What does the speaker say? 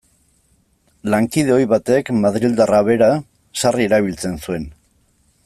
Lankide ohi batek, madrildarra bera, sarri erabiltzen zuen.